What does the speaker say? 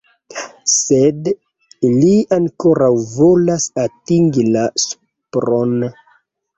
Sed li ankoraŭ volas atingi la supron.